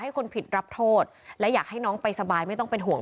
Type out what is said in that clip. คนผิดรับโทษและอยากให้น้องไปสบายไม่ต้องเป็นห่วง